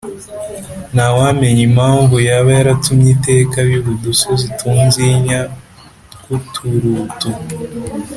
ntawamenya imhamvu yaba yaratumye iteka biba udusozi tunzinya, tw’uturutu!